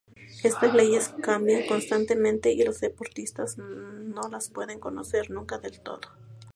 Estas leyes cambian constantemente, y los deportistas no las pueden conocer nunca del todo.